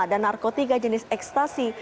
dan narkotika jenis ekstasi